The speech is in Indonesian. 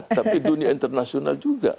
tapi dunia internasional juga